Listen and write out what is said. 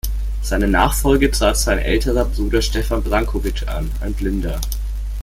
Seine Nachfolge trat sein älterer Bruder Stefan Branković an, ein Blinder.